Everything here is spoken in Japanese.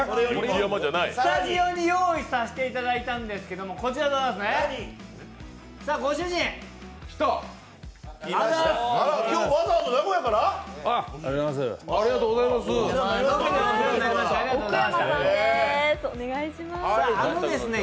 スタジオに用意させていただいたんですけども、こちらでございますね。